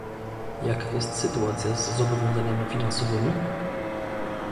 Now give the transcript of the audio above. jaka jest sytuacja z zobowiązaniami finansowymi?